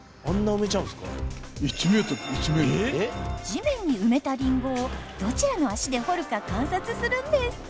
地面に埋めたリンゴをどちらの足で掘るか観察するんです。